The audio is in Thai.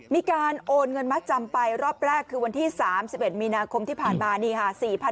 มีการโอนเงินมัดจำไปรอบแรกคือวันที่๓๑มีนาคมที่ผ่านมานี่ค่ะ